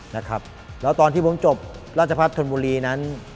แล้วตอนที่ผมจบราชพรษฐนบุรีนั้น